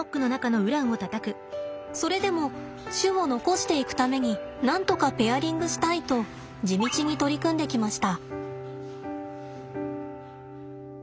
それでも種を残していくためになんとかペアリングしたいと地道に取り組んできました。